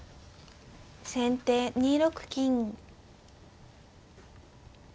先手２六金。